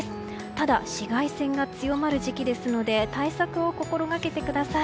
ただ紫外線が強まる時期ですので対策を心がけてください。